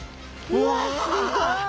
うわっすごい！